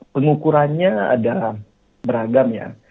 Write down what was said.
pengukurannya ada beragam ya